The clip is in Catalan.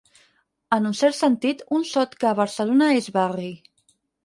En un cert sentit, un sot que a Barcelona és barri.